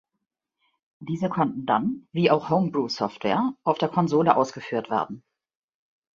Diese konnten dann, wie auch Homebrew-Software, auf der Konsole ausgeführt werden.